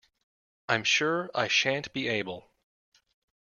I’m sure I shan’t be able!